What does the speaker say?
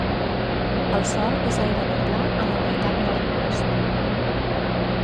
El sòl és gairebé pla en la meitat nord-oest.